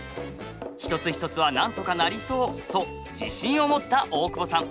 一つ一つはなんとかなりそうと自信を持った大久保さん。